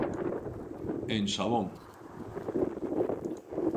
En Sabón.